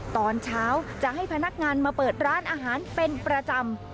ตอนเช้าจะให้พนักงานมาเปิดร้านอาหารเป็นประจำ